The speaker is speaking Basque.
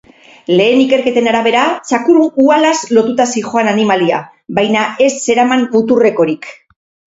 Lehen ikerketen arabera, txakur-uhalaz lotuta zihoan animalia, baina ez zeraman muturrekorik.